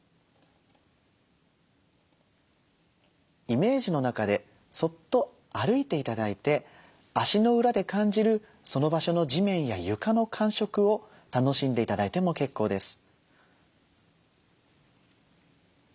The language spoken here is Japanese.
イメージの中でそっと歩いて頂いて足の裏で感じるその場所の地面や床の感触を楽しんで頂いても結構です。